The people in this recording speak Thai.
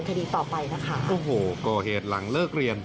กรอเหตุหลังเลิกเรียน